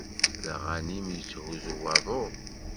D aɣanim yetthuzzu waḍu?